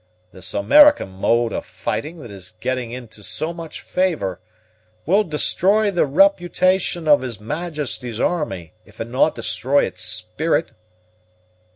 This American mode of fighting, that is getting into so much favor, will destroy the reputation of his Majesty's army, if it no' destroy its spirit."